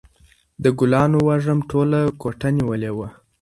د ګلانو وږم ټوله کوټه نیولې وه.